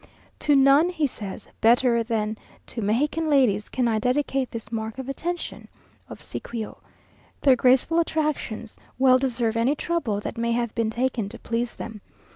"To none," he says, "better than to Mexican ladies, can I dedicate this mark of attention (obsequio). Their graceful attractions well deserve any trouble that may have been taken to please them.